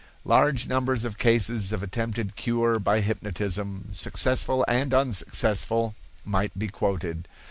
Large numbers of cases of attempted cure by hypnotism, successful and unsuccessful, might be quoted.